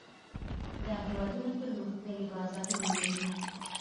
دا هېوادونه پرمختللي بازارونه لري.